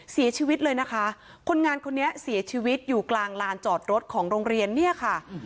เสียชีวิตเลยนะคะคนงานคนนี้เสียชีวิตอยู่กลางลานจอดรถของโรงเรียนเนี่ยค่ะ